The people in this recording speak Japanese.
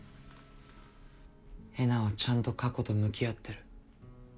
えなはちゃんと過去と向き合ってる。